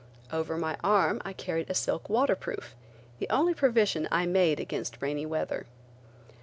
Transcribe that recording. Over my arm I carried a silk waterproof, the only provision I made against rainy weather.